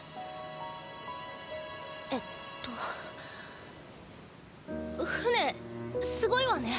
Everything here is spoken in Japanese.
えっと船すごいわね。